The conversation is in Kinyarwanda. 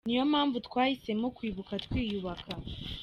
Ni yo mpamvu twahisemo Kwibuka twiyubaka.